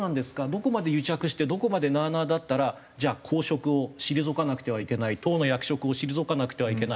どこまで癒着してどこまでなあなあだったらじゃあ公職を退かなくてはいけない党の役職を退かなくてはいけない。